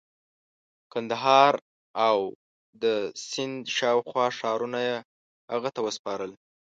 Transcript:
قندهار او د سند شاوخوا ښارونه یې هغه ته وسپارل.